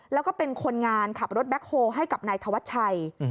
แล้วก็เป็นคนงานขับรถแบ็คโฮลให้กับนายธวัชชัย